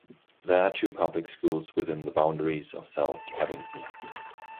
There are two public schools within the boundaries of South Abington.